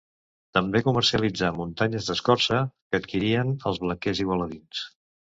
També comercialitzà muntanyes d'escorça, que adquirien els blanquers igualadins.